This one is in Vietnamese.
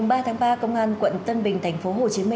ngày ba tháng ba công an quận tân bình tp hcm